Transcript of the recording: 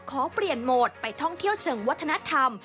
ขอเปลี่ยนโหมดไปท่องเที่ยวเชิงวัฒนธรรม